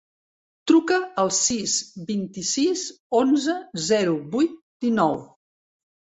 Truca al sis, vint-i-sis, onze, zero, vuit, dinou.